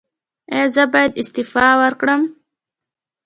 ایا زه باید استعفا ورکړم؟